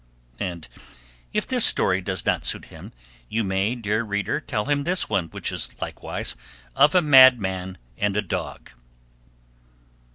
And if this story does not suit him, you may, dear reader, tell him this one, which is likewise of a madman and a dog.